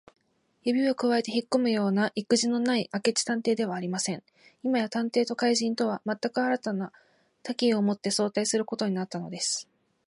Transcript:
指をくわえてひっこむようないくじのない明智探偵ではありません。今や探偵と怪人とは、まったく新たな敵意をもって相対することになったのです。